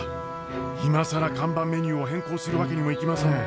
今更看板メニューを変更するわけにもいきません。